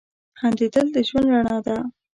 • خندېدل د ژوند رڼا ده.